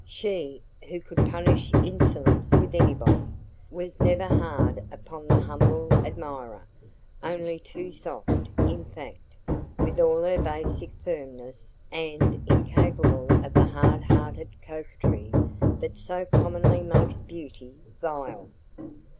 She, who could punish insolence with anybody, was never hard upon the humble admirer only too soft, in fact, with all her basic firmness, and incapable of the hard hearted coquetry that so commonly makes beauty vile.